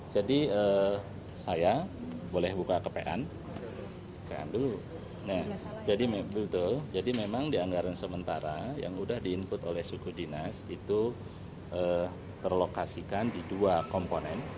jadi saya boleh buka ke pan jadi memang di anggaran sementara yang sudah di input oleh suku dinas itu terlokasikan di dua komponen